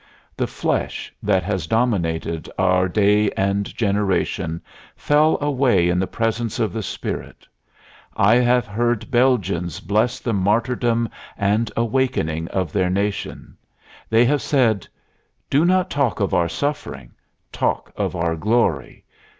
The flesh, that has dominated our day and generation, fell away in the presence of the Spirit. I have heard Belgians bless the martyrdom and awakening of their nation. They have said: "Do not talk of our suffering; talk of our glory.